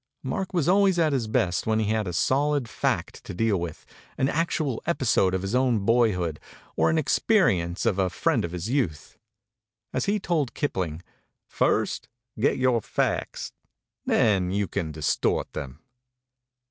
Mark was always at his best when he had a solid fact to deal with, an actual epi sode of his own boyhood or the experience of a friend of his youth. As he told Kipling, "First get your facts, then you can distort them."